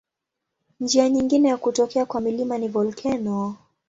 Njia nyingine ya kutokea kwa milima ni volkeno.